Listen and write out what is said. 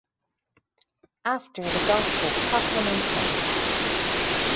After the Gospel Proclamation: